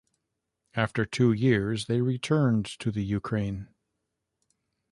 After two years, they returned to the Ukraine.